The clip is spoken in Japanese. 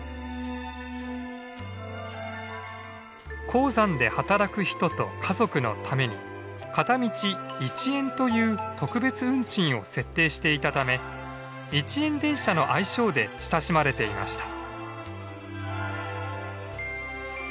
鉱山で働く人と家族のために片道１円という特別運賃を設定していたため「一円電車」の愛称で親しまれていました。